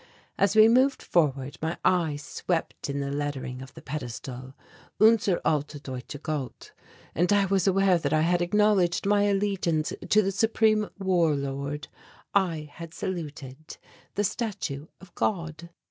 As we moved forward my eye swept in the lettering on the pedestal, "Unser Alte Deutche Gott," and I was aware that I had acknowledged my allegience to the supreme war lord I had saluted the Statue of God.